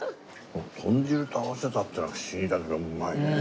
豚汁と合わせたっていうのが不思議だけどうまいね。